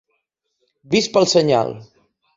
vist pel senyal.